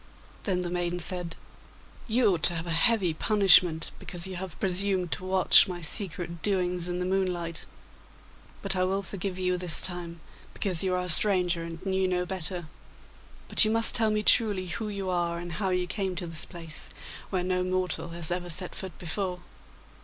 Then the maiden said, 'You ought to have a heavy punishment because you have presumed to watch my secret doings in the moonlight. But I will forgive you this time, because you are a stranger and knew no better. But you must tell me truly who you are and how you came to this place, where no mortal has ever set foot before.